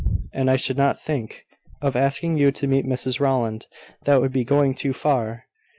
And I should not think of asking you to meet Mrs Rowland; that would be going too far.